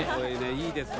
いいですね。